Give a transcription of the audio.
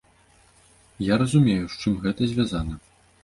Я разумею, з чым гэта звязана.